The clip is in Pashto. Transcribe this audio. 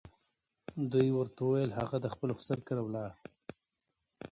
دوی ورته وویل هغه د خپل خسر کره ولاړ.